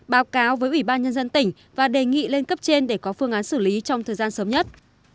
báo cáo với ủy ban nhân dân tỉnh và đề nghị lên cấp trên để có phương án xử lý trong thời gian sớm nhất